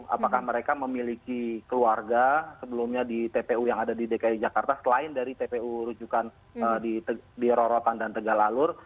apakah mereka memiliki keluarga sebelumnya di tpu yang ada di dki jakarta selain dari tpu rujukan di rorotan dan tegalalur